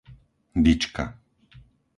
Dyčka